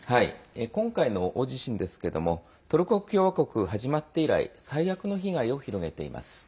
今回の大地震ですけどもトルコ共和国始まって以来最悪の被害を広げています。